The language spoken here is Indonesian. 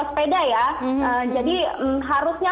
sepeda ya jadi harusnya